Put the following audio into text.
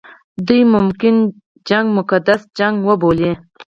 دوی ممکن جګړه مقدسه جګړه وبولي.